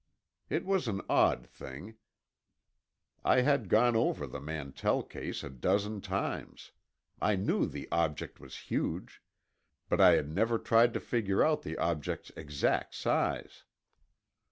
It was an odd thing; I had, gone over the Mantell case a dozen times. I knew the object was huge. But I had never tried to figure out the object's exact size.